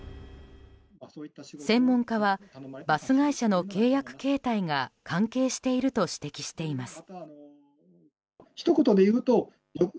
専門家はバス会社の契約形態が関係していると指摘しています。